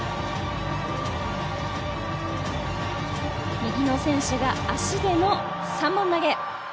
右の選手が足での３本投げ。